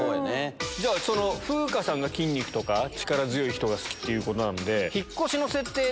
風花さんが筋肉とか力強い人が好きっていうことなんで。